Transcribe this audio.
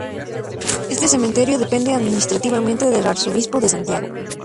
Este cementerio depende administrativamente del arzobispado de Santiago.